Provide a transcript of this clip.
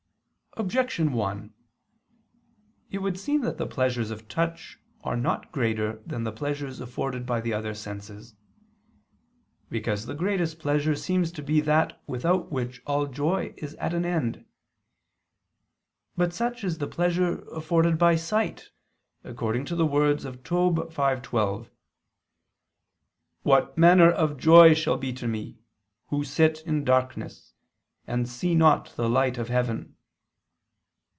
Objection 1: It would seem that the pleasures of touch are not greater than the pleasures afforded by the other senses. Because the greatest pleasure seems to be that without which all joy is at an end. But such is the pleasure afforded by the sight, according to the words of Tob. 5:12: "What manner of joy shall be to me, who sit in darkness, and see not the light of heaven?"